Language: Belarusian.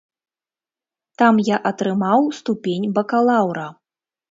Там я атрымаў ступень бакалаўра.